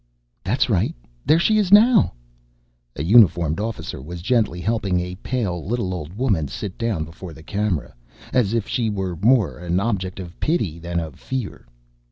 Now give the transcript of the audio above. "That's right. There she is now." A uniformed officer was gently helping a pale little old woman sit down before the camera, as if she were more an object of pity than of fear.